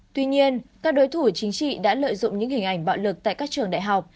tuy nhiên các đối thủ chính trị đã lợi dụng những hình ảnh bạo lực tại các trường đại học